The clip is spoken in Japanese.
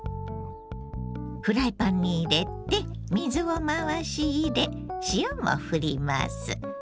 フライパンに入れて水を回し入れ塩もふります。